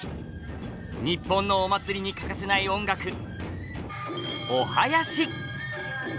日本のお祭りに欠かせない音楽お囃子！